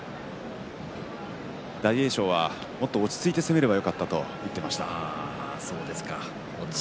大栄翔はもっと落ち着いて取れればよかったと言ってました。